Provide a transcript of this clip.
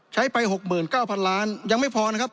ใช้ไปหกหมื่นเก้าพันล้านยังไม่พอนะครับ